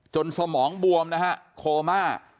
สมองบวมนะฮะโคม่า